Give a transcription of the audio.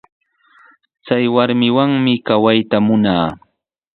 Chay warmiwanmi kawayta munaa.